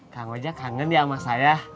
kang aja kangen ya sama saya